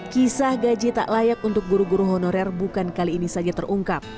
kisah gaji tak layak untuk guru guru honorer bukan kali ini saja terungkap